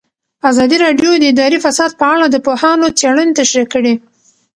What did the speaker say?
ازادي راډیو د اداري فساد په اړه د پوهانو څېړنې تشریح کړې.